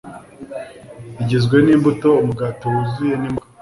igizwe n’imbuto, umugati wuzuye, n’imboga.